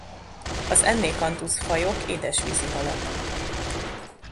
Az Enneacanthus-fajok édesvízi halak.